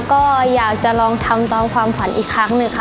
ก็อยากจะลองทำตามความฝันอีกครั้งหนึ่งค่ะ